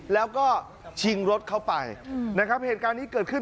แล้วก็ชิงรถเข้าไปนะครับเหตุการณ์นี้เกิดขึ้น